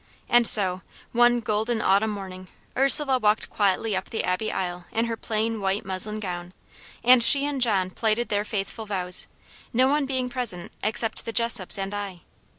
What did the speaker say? And so, one golden autumn morning, Ursula walked quietly up the Abbey aisle in her plain white muslin gown; and John and she plighted their faithful vows, no one being present except the Jessops and I.